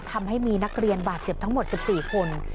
ทำให้มีนักเรียนบาดเจ็บทั้งหมด๑๔คน